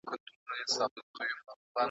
خوږېدی به یې له درده هر یو غړی .